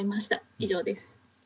以上です。